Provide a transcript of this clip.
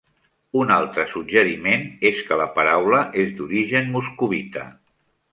Un altre suggeriment és que la paraula és d'origen moscovita.